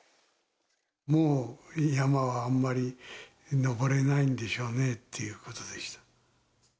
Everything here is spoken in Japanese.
もう山はあんまり登れないんでしょうねってことでした。